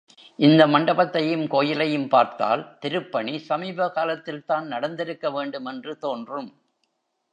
இந்த மண்டபத்தையும் கோயிலையும் பார்த்தால் திருப்பணி சமீபகாலத்தில்தான் நடந்திருக்க வேண்டும் என்று தோன்றும்.